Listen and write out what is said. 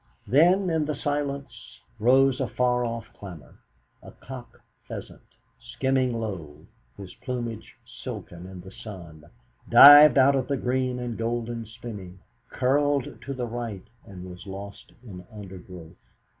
Then in the silence rose a far off clamour; a cock pheasant, skimming low, his plumage silken in the sun, dived out of the green and golden spinney, curled to the right, and was lost in undergrowth.